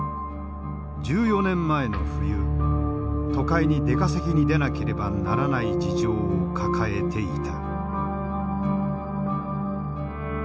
１４年前の冬都会に出稼ぎに出なければならない事情を抱えていた。